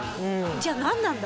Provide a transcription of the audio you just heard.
じゃあ何なんだ？